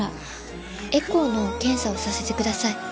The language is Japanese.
エコーの検査をさせてください。